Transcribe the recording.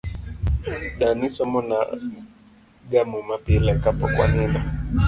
Dani somona ga muma pile kapok wanindo